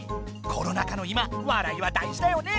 コロナ禍の今わらいはだいじだよね